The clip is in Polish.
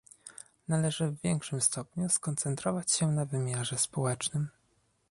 Należy w większym stopniu skoncentrować się na wymiarze społecznym